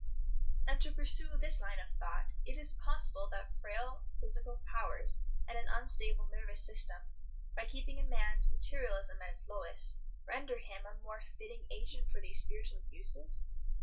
And to pursue this line of thought, is it possible that frail physical powers and an unstable nervous system, by keeping a man's materialism at its lowest, render him a more fitting agent for these spiritual uses?